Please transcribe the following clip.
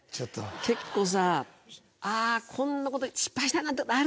結構さあこんなこと失敗したなってあるんだ。